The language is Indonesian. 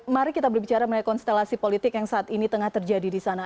mari kita berbicara mengenai konstelasi politik yang saat ini tengah terjadi di sana